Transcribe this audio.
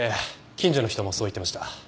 近所の人もそう言ってました。